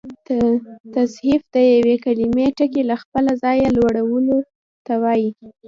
تصحیف د یوې کليمې ټکي له خپله ځایه اړولو ته وا يي.